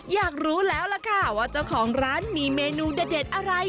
อยากรู้แล้วล่ะค่ะว่าเจ้าของร้านมีเมนูเด็ดอะไร